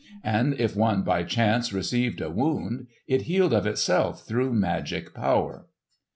And if one by chance received a wound it healed of itself through magic power.